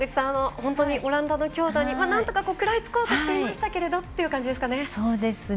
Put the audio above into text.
本当にオランダの強打になんとか食らいつこうとしていましたがって感じでしたかね。